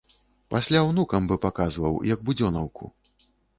Пасля ўнукам бы паказваў, як будзёнаўку.